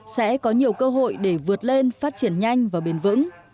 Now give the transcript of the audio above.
sẽ có nhiều cơ hội để vượt lên phát triển nhanh và bền vững